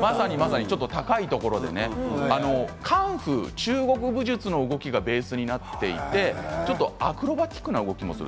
まさに高いところでカンフー、中国武術の動きがベースになっていてちょっとアクロバティックな動きもする。